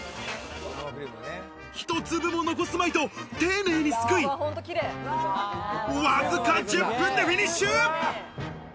一粒も残すまいと丁寧にすくい、わずか１０分でフィニッシュ！